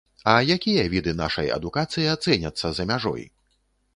А якія віды нашай адукацыя цэняцца за мяжой?